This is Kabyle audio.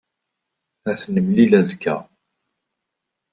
Ad t-nemlil azekka.